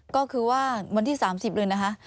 ก็คือว่าวันที่๓๐เลยนะคะ